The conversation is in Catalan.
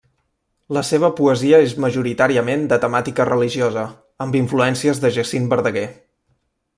La seva poesia és majoritàriament de temàtica religiosa, amb influències de Jacint Verdaguer.